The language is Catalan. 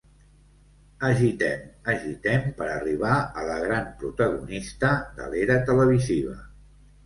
Agitem agitem per arribar a la gran protagonista de l'era televisiva.